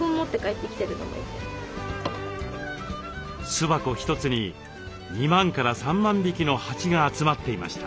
巣箱一つに２万から３万匹の蜂が集まっていました。